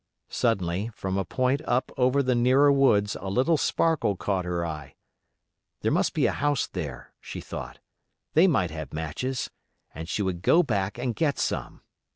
Suddenly, from a point up over the nearer woods a little sparkle caught her eye; there must be a house there, she thought; they might have matches, and she would go back and get some.